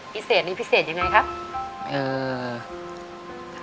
พิเศษนี้พิเศษยังไงครับ